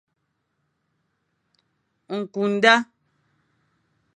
Ñkü nda.